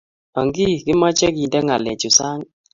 Ang'ii, imoche kende ngalechu sang?